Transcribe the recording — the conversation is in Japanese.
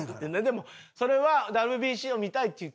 でもそれはＷＢＣを見たいっていう気持ち。